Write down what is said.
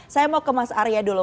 saya mau ke mas arya dulu